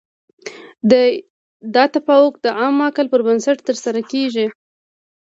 دا توافق د عام عقل پر بنسټ ترسره کیږي.